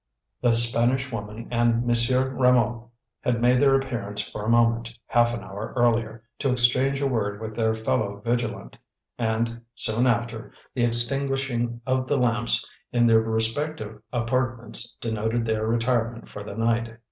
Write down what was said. The Spanish woman and Monsieur Rameau had made their appearance for a moment, half an hour earlier, to exchange a word with their fellow vigilant, and, soon after, the extinguishing of the lamps in their respective apartments denoted their retirement for the night.